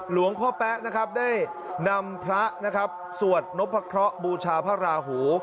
หลวงพ่อแป๊กได้นำพระสวดนพครบูชาพระหู